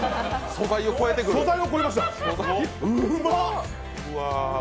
素材を超えました、うまっ！